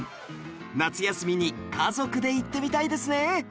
夏休みに家族で行ってみたいですね